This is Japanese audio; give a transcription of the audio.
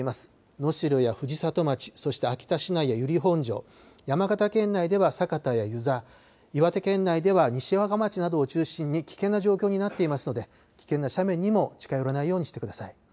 能代や藤里町、そして秋田市内や由利本荘市、山形県内では酒田や遊佐、岩手県内では西和賀町などを中心に危険な状況になっていますので危険な斜面にも近寄らないようにしてください。